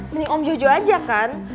mini om jojo aja kan